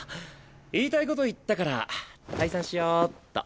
言いたいこと言ったから退散しよっと。